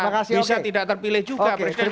oh iya bisa tidak terpilih juga